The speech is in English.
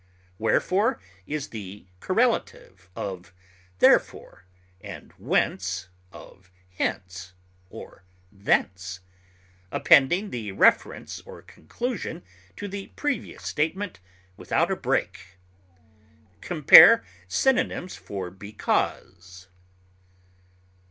Wherefore is the correlative of therefore, and whence of hence or thence, appending the inference or conclusion to the previous statement without a break. Compare synonyms for BECAUSE.